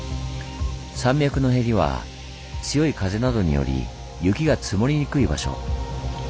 山脈のヘリは強い風などにより雪が積もりにくい場所。